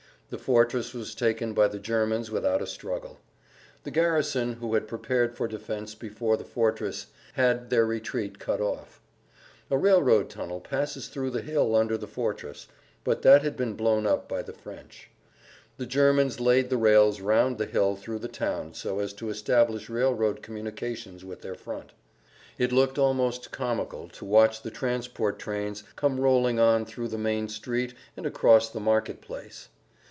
The fortress was taken by the Germans without a struggle. The garrison who had prepared for defense before the fortress, had their retreat cut off. A railroad tunnel passes through the hill under the fortress, but that had been blown up by the French. The Germans laid the rails round the hill through the town so as to establish railroad communications with their front. It looked almost comical to watch the transport trains come rolling on through the main street and across the market place.